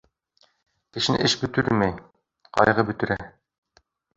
Кешене эш бөтөрмәй, ҡайғы бөтөрә.